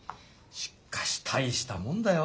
しっかし大したもんだよ。